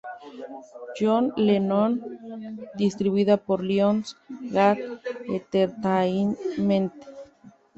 John Lennon", distribuida por Lions Gate Entertainment.